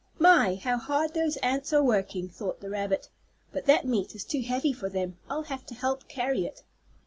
"My, how hard those ants are working," thought the rabbit. "But that meat is too heavy for them. I'll have to help carry it."